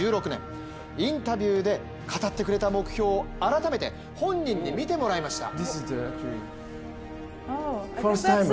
インタビューで語ってくれた目標を改めて本人に見てもらいました。